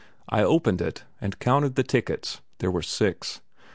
I opened it, and counted the tickets; there were six.